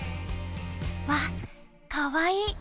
わっ、かわいい。